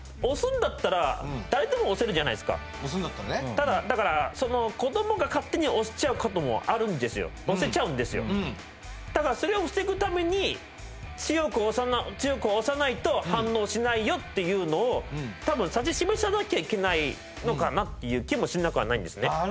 押すんだったら誰でも押せるじゃないですか押すんだったらねだから子どもが勝手に押しちゃうこともあるんですよ押せちゃうんですよだからそれを防ぐために強く押さないと反応しないよっていうのを多分指し示さなきゃいけないのかなっていう気もしなくはないんですね